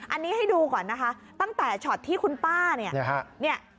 อันนี้ให้ดูก่อนนะคะตั้งแต่ช็อตที่คุณป้าเนี่ยฮะเนี่ย